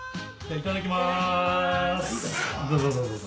いただきます。